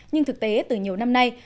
nhưng thực tế từ nhiều năm nay